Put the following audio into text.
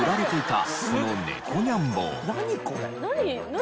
何？